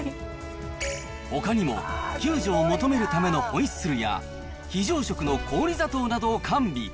ほかにも救助を求めるためのホイッスルや、非常食の氷砂糖などを完備。